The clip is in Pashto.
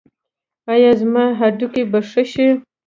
ایا زما هډوکي به ښه شي؟